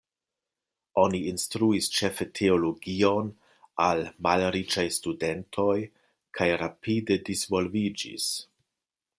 Oni instruis ĉefe teologion al malriĉaj studentoj, kaj rapide disvolviĝis.